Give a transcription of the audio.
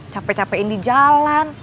capek capekin di jalan